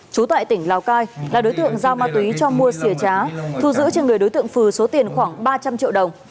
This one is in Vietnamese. chú tại tỉnh lào cai là đối tượng giao ma túy cho mua xỉ trá thu giữ trên người đối tượng phừ số tiền khoảng ba trăm linh triệu đồng